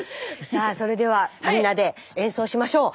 さあそれではみんなで演奏しましょう。